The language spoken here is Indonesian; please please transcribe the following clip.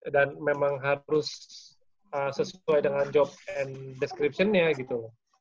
dan memang harus sesuai dengan job and description nya gitu